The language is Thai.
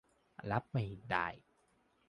รับไม่ได้